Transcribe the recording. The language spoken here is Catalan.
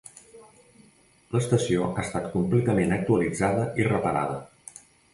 L'estació ha estat completament actualitzada i reparada.